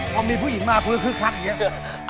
พอมีผู้หญิงมาเพื่อคลักเยอะ